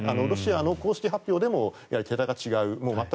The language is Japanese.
ロシアの公式発表でも桁が違う。